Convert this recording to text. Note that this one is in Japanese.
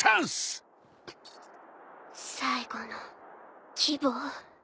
最後の希望。